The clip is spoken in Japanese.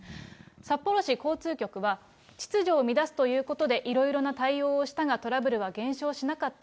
札幌市交通局は、秩序を乱すということで、いろいろな対応をしたがトラブルは減少しなかった。